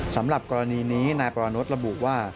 สำหรับกรณีนี้นายปรนดระบุว่า